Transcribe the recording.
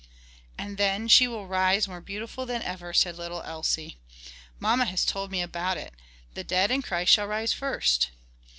"And then she will rise more beautiful than ever," said little Elsie. "Mamma has told me about it. 'The dead in Christ shall rise first.'"